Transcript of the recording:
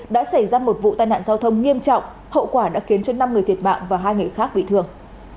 đã xảy ra một vụ tai nạn giao thông nghiêm trọng hậu quả đã khiến cho năm người thiệt mạng và hai người khác bị thương